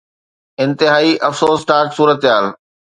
انتهائي افسوسناڪ صورتحال